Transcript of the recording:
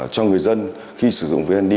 cho người dân khi sử dụng vneid